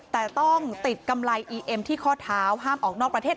แต่ต้องติดกำไรอีเอ็มที่ข้อเท้าห้ามออกนอกประเทศ